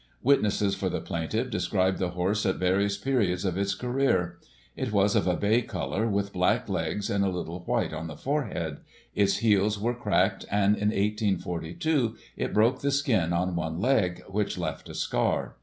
Witnesses for the plaintiff described the horse at various periods of its career ; it was of a bay colour, with black legs, and a little white on the forehead ; its heels were cracked, and, in 1842, it broke the skin on one leg, which left a scar.